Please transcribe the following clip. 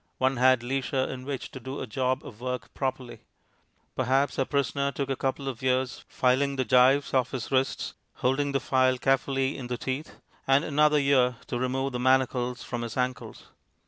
One had leisure in which to do a job of work properly. Perhaps our prisoner took a couple of years filing the gyves off his wrists (holding the file carefully in the teeth), and another year to remove the manacles from his ankles.